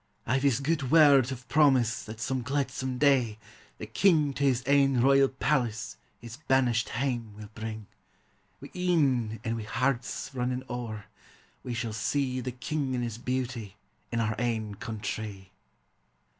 I 've his gude word of promise that some glad some day, the King To his ain royal palace his banished hame will bring: Wi' een an' wi' hearts runnin' owre, we shall see The King in his beauty in our ain countree.